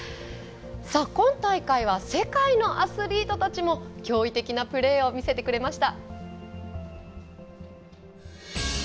今大会は世界のアスリートたちも驚異的なプレーを見せてくれました。